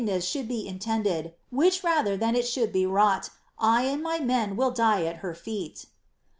79 VKkedneas should be intended, which rather than it should be wrought, 1 and my men will die at her feet.